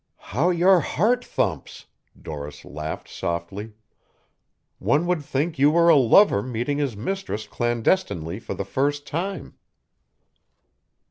"How your heart thumps," Doris laughed softly. "One would think you were a lover meeting his mistress clandestinely for the first time."